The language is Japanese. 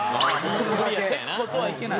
「徹子」とはいけない？